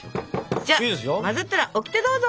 じゃあ混ざったらオキテどうぞ！